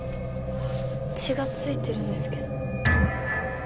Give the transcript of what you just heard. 血が付いてるんですけど。